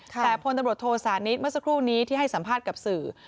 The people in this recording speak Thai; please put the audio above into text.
แต่พลตำรวจโทสานิทเมื่อสักครู่นี้ที่ให้สัมภาษณ์กับสื่อ